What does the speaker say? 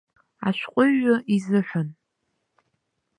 Ашәҟыҩҩы изыҳәан.